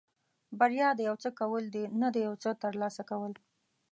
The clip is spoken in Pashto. بریا د یو څه کول دي نه د یو څه ترلاسه کول.